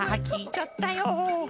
きいちゃったよ。